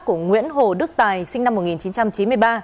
của nguyễn hồ đức tài sinh năm một nghìn chín trăm chín mươi ba